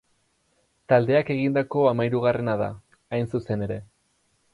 Taldeak egindako hamahirugarrena da, hain zuzen ere.